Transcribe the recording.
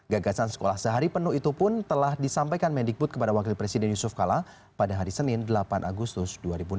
gagasan sekolah sehari penuh itu pun telah disampaikan mendikbud kepada wakil presiden yusuf kala pada hari senin delapan agustus dua ribu enam belas